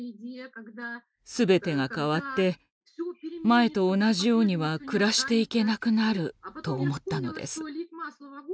すべてが変わって前と同じようには暮らしていけなくなる」と思ったのです。